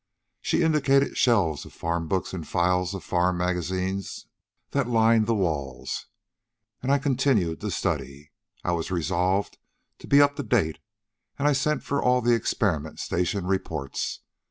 She indicated shelves of farm books and files of farm magazines that lined the walls. "And I continued to study. I was resolved to be up to date, and I sent for all the experiment station reports.